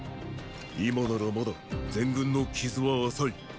今ならまだ全軍の傷は浅い。